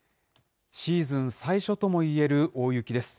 シーズン最初ともいえる大雪です。